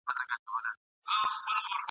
بس د خان مشکل به خدای کړي ور آسانه !.